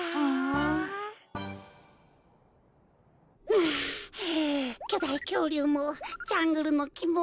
があきょだいきょうりゅうもジャングルのきも